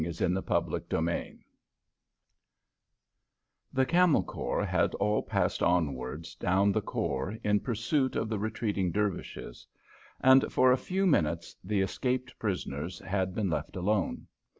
CHAPTER X The Camel Corps had all passed onwards down the khor in pursuit of the retreating Dervishes, and for a few minutes the escaped prisoners had been left alone.